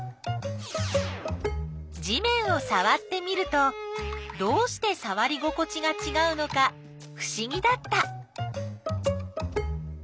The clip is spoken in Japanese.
地面をさわってみるとどうしてさわり心地がちがうのかふしぎだった。